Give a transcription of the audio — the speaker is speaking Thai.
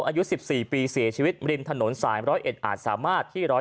อายุ๑๔ปีเสียชีวิตริมถนนสาย๑๐๑อาจสามารถที่๑๐๑